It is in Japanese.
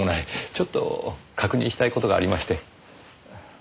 ちょっと確認したい事がありまして。